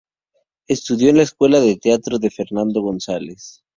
Estudió en la Escuela de Teatro de Fernando González.